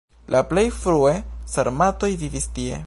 La plej frue sarmatoj vivis tie.